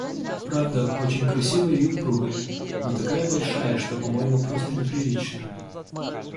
Правда, очень красивая и упругая, но такая большая, что, по-моему, просто неприлично.